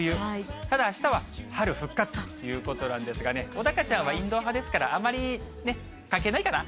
ただあしたは春復活ということなんですがね、小高ちゃんは、インドア派ですから、あまりね、関係ないかな？